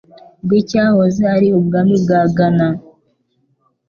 bw'icyahoze ari ubwami bwa Gana,